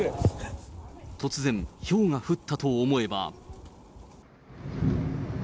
突然、ひょうが降ったと思えば。